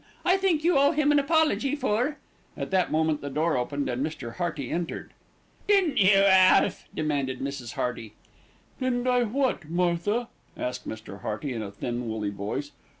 I think you owe him an apology for " At that moment the door opened, and Mr. Hearty entered. "Didn't you, Alf?" demanded Mrs. Hearty. "Didn't I what, Martha?" asked Mr. Hearty in a thin, woolly voice.